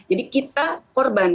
jadi kita korban